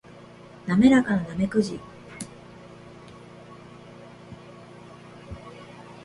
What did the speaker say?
滑らかなナメクジ